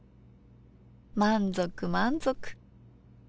満足満足。